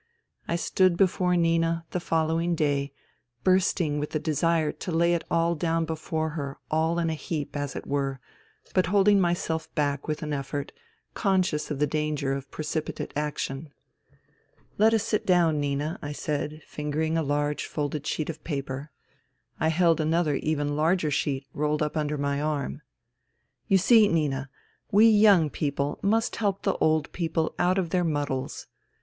I stood before Nina the following day, bursting with the desire to lay it all down before her all in a heap, as it were, but holding myself back with an effort, conscious of the danger of precipitate action. " Let us sit down, Nina," I said, fingering a large folded sheet of paper. I held another even larger sheet, rolled up under my arm. " You see, Nina, we young people must help the old people out of their muddles.